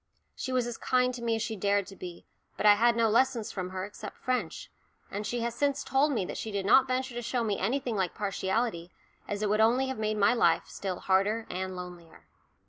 She was as kind to me as she dared to be, but I had no lessons from her except French, and she has since told me that she did not venture to show me anything like partiality, as it would only have made my life still harder and lonelier.